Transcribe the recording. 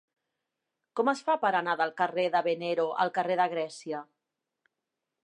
Com es fa per anar del carrer de Venero al carrer de Grècia?